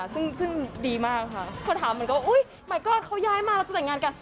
เมื่อกี๊แมวก็ตอบโอ๊ยแมนก๊อดเขาย้ายมาจะแต่งงานกัน